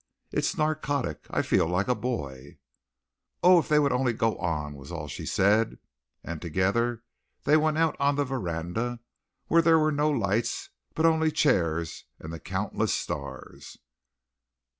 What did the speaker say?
It's narcotic. I feel like a boy." "Oh, if they would only go on!" was all she said. And together they went out on the veranda, where there were no lights but only chairs and the countless stars.